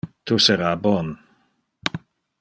Tu sera bon.